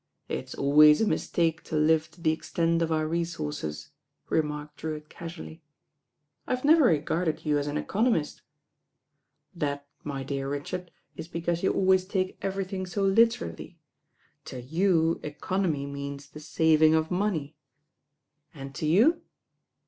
"It's always a mistake to live to the extent of our resources," remarked Drewitt casually. *Tve never regarded you as an economist." "That, my dear Richard, is because you always take everything so literaUy. To you economy means the saving of money." "And to you?"